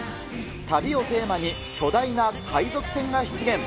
旅をテーマに、巨大な海賊船が出現。